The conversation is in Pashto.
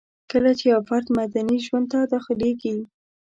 کله چي يو فرد مدني ژوند ته داخليږي